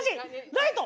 ライト！